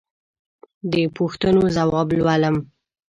د پوښتنو ځواب لولم.